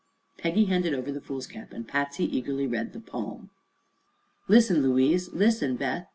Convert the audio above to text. Peggy handed over the foolscap, and Patsy eagerly read the "pome." "Listen, Louise! Listen, Beth!"